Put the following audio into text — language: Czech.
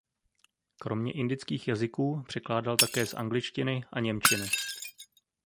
Kromě indických jazyků překládal také z angličtiny a němčiny.